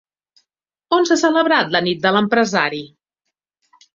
On s'ha celebrat la Nit de l'Empresari?